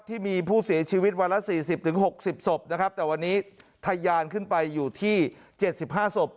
ที่มีผู้เสียชีวิตวันละ๔๐๖๐ศพนะครับแต่วันนี้ทะยานขึ้นไปอยู่ที่๗๕ศพ